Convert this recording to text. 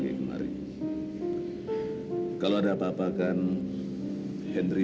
aku berada di atas tahta